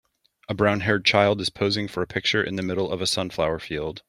A brownhaired child is posing for a picture in the middle of a Sunflower field.